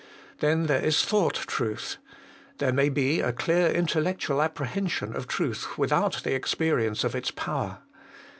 Then there is thought truth ; there may be a clear intellectual apprehension of truth without the experience of its power.